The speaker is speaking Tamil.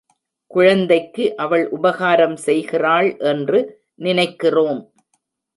குழந்தைக்கு அவள் உபகாரம் செய்கிறாள் என்று நினைக்கிறோம்.